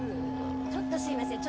ちょっとすいません